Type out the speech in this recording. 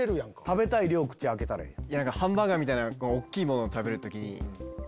食べたい量口開けたらええやん。